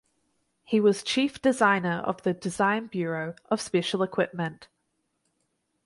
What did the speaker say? He was chief designer of the design bureau of special equipment.